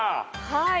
はい。